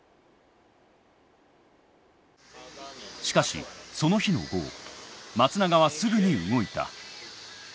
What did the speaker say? しかしその日の午後松永はすぐに動いた。